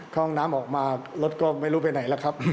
ห้องน้ำออกมารถก็ไม่รู้ไปไหนแล้วครับ